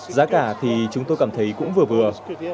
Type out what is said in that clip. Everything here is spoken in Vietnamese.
giá cả thì chúng tôi cảm thấy cũng vừa vừa